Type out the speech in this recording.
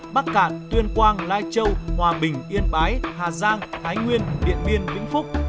bắc cạn tuyên quang lai châu hòa bình yên bái hà giang thái nguyên điện biên vĩnh phúc